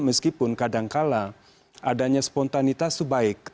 meskipun kadangkala adanya spontanitas itu baik